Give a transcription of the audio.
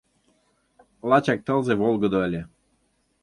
Лачак тылзе волгыдо ыле.